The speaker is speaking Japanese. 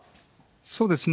そうですね。